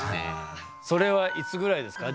それはいつぐらいですか？